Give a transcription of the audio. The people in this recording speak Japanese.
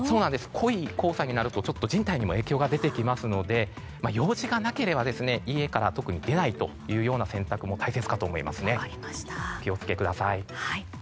濃い黄砂になると人体にも影響が出てきますので用事がなければ家から出ないというような選択も大切かもしれないですね。